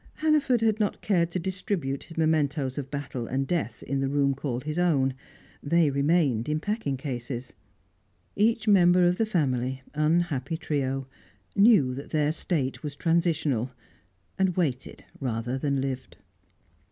Hannaford had not cared to distribute his mementoes of battle and death in the room called his own; they remained in packing cases. Each member of the family, unhappy trio, knew that their state was transitional, and waited rather than lived.